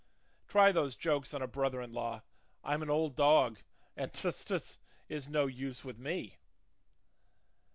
Try those jokes on a brother in law; 'I'm an old dog, and "tus, tus" is no use with me.